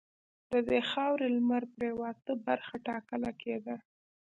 د دې خاورې لمرپرېواته برخه ټاکله کېدله.